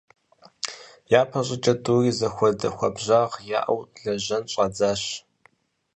ЯпэщӀыкӀэ тӀури зэхуэдэ хуабжьагъ яӀэу лэжьэн щӀадзащ.